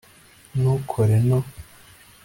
ntukore no